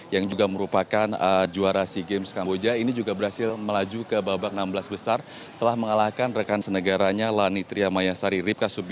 yang juga merupakan juara si games kamboja ini juga berhasil melaju ke babak enam belas besar setelah mengalahkan rekan senegaranya lani triamayasari ripkasubi